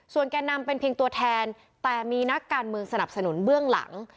แก่นำเป็นเพียงตัวแทนแต่มีนักการเมืองสนับสนุนเบื้องหลัง